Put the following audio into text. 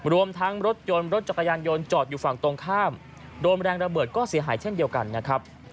รวมทั้งรถยนต์รถจักรยานยนต์จอดอยู่ฝั่งตรงข้ามโดนแรงระเบิดก็เสียหายเช่นเดียวกันนะครับ